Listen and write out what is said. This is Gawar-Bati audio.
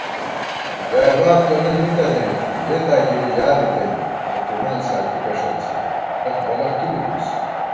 ژائےباب تونہ مِی تَنَئیت، ژېتا گِرِی ژا بِتېن * یتِیمان ساتِکہ ݭڅی الَخ دلَخ تُو بِمېس